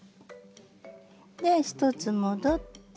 で１つ戻って。